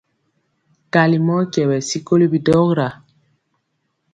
Kali mɔ kyɛwɛ sikoli bidɔra.